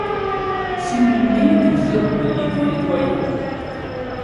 Si melmi i tegziḍ belli dirit waya?